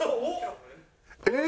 えっ！